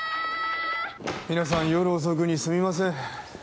皆さん夜遅くにすみません。